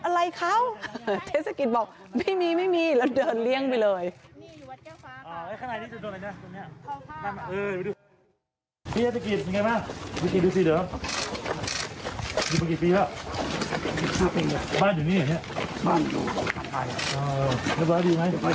อะไรครับเทศกิตบอกไม่มีแล้วเดินเลี่ยงไปเลย